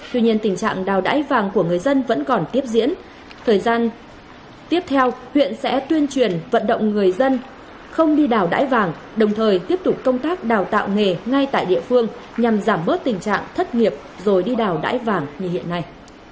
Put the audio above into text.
tuy nhiên tình trạng đào đải vàng của người dân vẫn còn tiếp diễn tiếp theo huyện sẽ tuyên truyền vận động người dân không đi đào đải vàng đồng thời tiếp tục công tác đào tạo nghề ngay tại địa phương nhằm giảm bớt tình trạng thất nghiệp rồi đi đào đải vàng như hiện nay